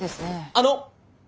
あの！